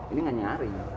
ini tidak nyari